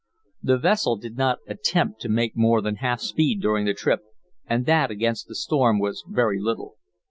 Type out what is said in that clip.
The vessel did not attempt to make more than half speed during the trip, and that, against the storm, was very little.